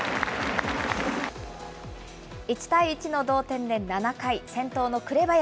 １対１の同点で７回、先頭の紅林。